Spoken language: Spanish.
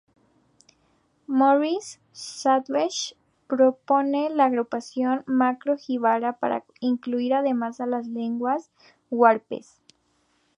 Morris Swadesh propone la agrupación macro-jívara para incluir además a las lenguas huarpes.